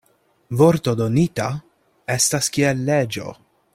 Vorto donita estas kiel leĝo.